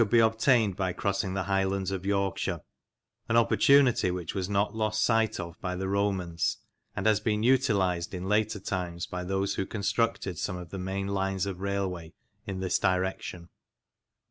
F. A. B. THE ROMANS IN LANCASHIRE 29 obtained by crossing the highlands of Yorkshire; an opportunity which was not lost sight of by the Romans, and has been utilised in later times by those who constructed some of the main lines of railway in this direction.